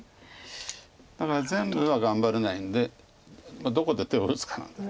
だから全部は頑張れないんでどこで手を打つかなんです。